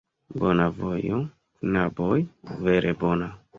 Bona vojo, knaboj, vere bona.